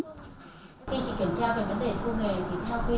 khi chị kiểm tra về vấn đề khu nghề thì theo quy định